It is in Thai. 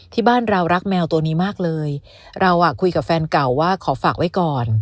ที่บ้านเรารักแมวตัวนี้มากเลยเราอ่ะคุยกับแฟนเก่าว่าขอฝากไว้ก่อน